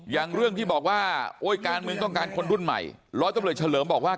อย่างเรื่องที่บอกว่าโอ้ยการเมืองต้องการคนรุ่นใหม่ร้อยตำรวจเฉลิมบอกว่า